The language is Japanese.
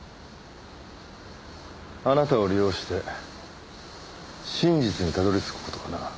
あなたを利用して真実にたどり着く事かな。